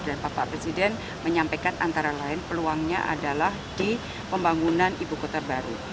dan bapak presiden menyampaikan antara lain peluangnya adalah di pembangunan ibu kota baru